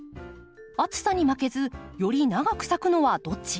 暑さに負けずより長く咲くのはどっち？